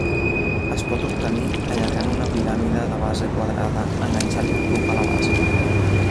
Es pot obtenir allargant una piràmide de base quadrada enganxant-li un cub a la base.